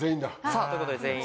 さぁということで全員。